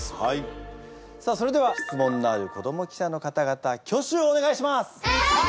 さあそれでは質問のある子ども記者の方々挙手をお願いします。